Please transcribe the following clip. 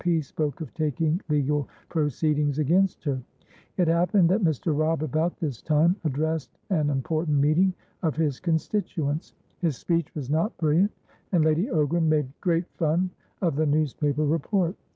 P. spoke of taking legal proceedings against her. It happened that Mr. Robb about this time addressed an important meeting of his constituents. His speech was not brilliant, and Lady Ogram made great fun of the newspaper report.